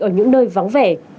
ở những nơi vắng vẻ